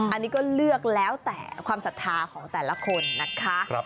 อันนี้ก็เลือกแล้วแต่ความศรัทธาของแต่ละคนนะคะ